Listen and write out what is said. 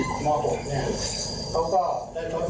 เข้าออกไปที่อยู่เนี่ยก็ทางรุ่นพี่มอบบนี้